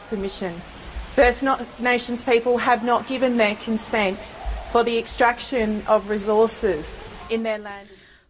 pemimpin first nations tidak memberikan konsen untuk ekstraksi sumber daya di negara mereka